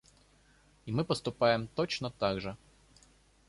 И мы поступаем точно так же.